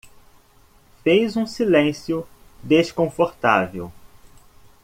Fez um silêncio desconfortável.